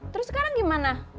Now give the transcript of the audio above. terus sekarang gimana